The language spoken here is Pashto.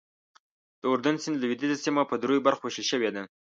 د اردن سیند لوېدیځه سیمه په دریو برخو ویشل شوې ده.